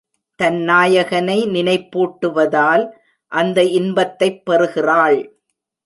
தன் நாயகனை நினைப்பூட்டுவதால் அந்த இன்பத்தைப் பெறுகிறாள்.